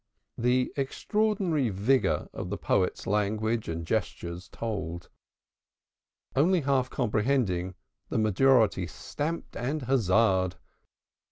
The extraordinary vigor of the poet's language and gestures told. Only half comprehending, the majority stamped and huzzahed.